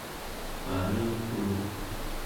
paniten